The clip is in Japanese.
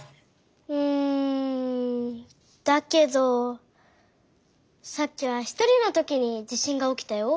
うんだけどさっきはひとりのときに地しんがおきたよ。